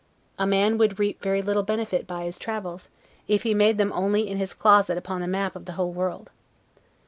A man would reap very little benefit by his travels, if he made them only in his closet upon a map of the whole world.